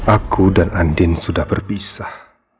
aku dan andin sudah berpisah